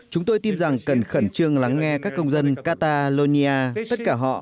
chúng tôi tin rằng cần khẩn trương lắng nghe các công dân qatarlonia tất cả họ